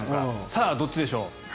さあ、どっちでしょう。